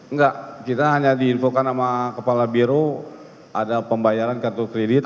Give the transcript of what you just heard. enggak kita hanya diinfokan sama kepala biro ada pembayaran kartu kredit